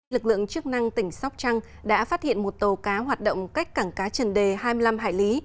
lực lượng chức năng tỉnh sóc trăng đã phát hiện một tàu cá hoạt động cách cảng cá trần đề hai mươi năm hải lý